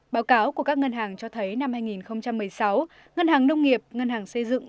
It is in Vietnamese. báo cáo của các ngân hàng cho thấy năm hai nghìn một mươi sáu ngân hàng nông nghiệp ngân hàng xây dựng